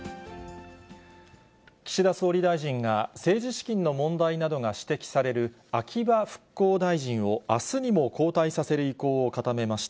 岸田総理大臣が、政治資金の問題などが指摘される秋葉復興大臣を、あすにも交代させる意向を固めました。